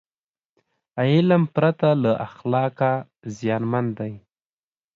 علم پرته له اخلاقه زیانمن دی.